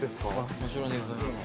もちろんでございます。